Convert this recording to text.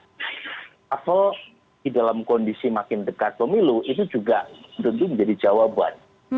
karena shuffle di dalam kondisi makin dekat pemilu itu juga tentu menjadi jawaban